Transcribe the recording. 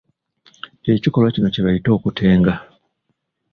Ekikolwa kino kye bayita okutenga.